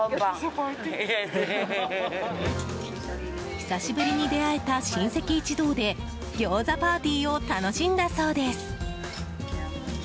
久しぶりに出会えた親戚一同でギョーザパーティーを楽しんだそうです。